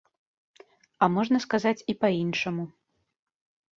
А можна сказаць і па-іншаму.